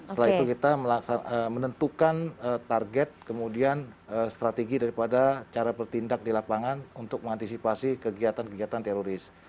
setelah itu kita menentukan target kemudian strategi daripada cara bertindak di lapangan untuk mengantisipasi kegiatan kegiatan teroris